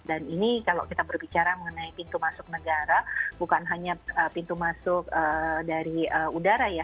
dan ini kalau kita berbicara mengenai pintu masuk negara bukan hanya pintu masuk dari udara ya